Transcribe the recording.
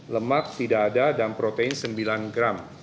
lemak tidak ada dan protein sembilan gram